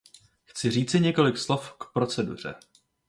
Chci říci několik slov k proceduře.